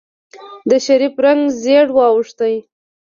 د شريف رنګ زېړ واوښت.